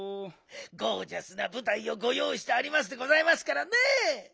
ゴージャスなぶたいをごよういしてありますでございますからね。